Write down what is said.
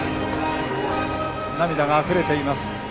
涙があふれています。